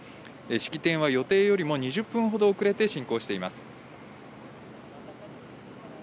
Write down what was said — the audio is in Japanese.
式典は予定よりも２０分ほど遅れて進行しています。